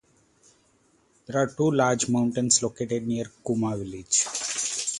There are two large mountains located near Kuma village.